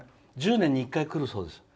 １０年に１回来るそうです。